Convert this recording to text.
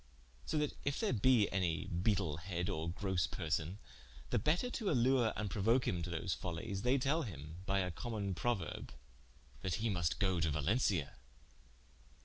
So that if there be any beetlehead or grosse person, the better to allure and prouoke him to those follies, they tell him by a common Prouerbe: That he must go to Valencia.